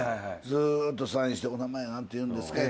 ずっとサインして「お名前何て言うんですか？」